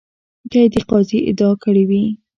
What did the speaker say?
که یې د قاضي ادعا کړې وي.